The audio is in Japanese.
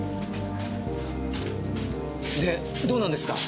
でどうなんですか。